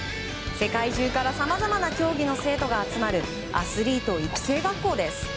世界中からさまざまな競技の生徒が集まるアスリート育成学校です。